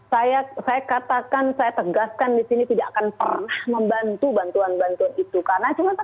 saya katakan saya tegaskan di sini tidak akan pernah membantu bantuan bantuan itu